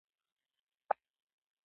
مسيد يا محسود په وزيرستان کې اوسيږي.